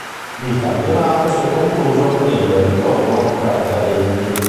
Il campionato si è concluso con il ritorno tra i cadetti.